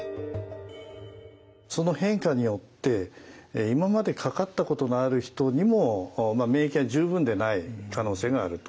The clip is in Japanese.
その変化によって今までかかったことのある人にも免疫が十分でない可能性があるということ。